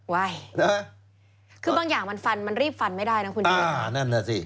ว่ายคือบางอย่างมันฟันมันรีบฟันไม่ได้นะคุณดี